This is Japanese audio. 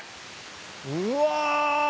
うわ！